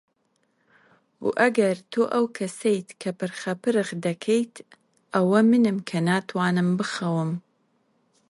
و ئەگەر تۆ ئەو کەسەیت کە پرخەپرخ دەکەیت، ئەوە منم کە ناتوانم بخەوم.